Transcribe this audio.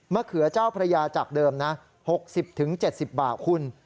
เขือเจ้าพระยาจากเดิมนะ๖๐๗๐บาทคุณ